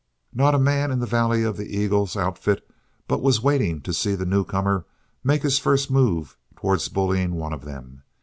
Not a man in the Valley of the Eagles outfit but was waiting to see the newcomer make the first move towards bullying one of them.